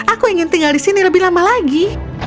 aku ingin tinggal di sini lebih lama lagi